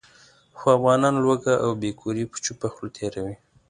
خو افغانان لوږه او بې کوري په چوپه خوله تېروي.